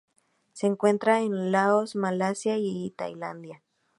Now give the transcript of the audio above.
Se encuentra en Laos Malasia y Tailandia.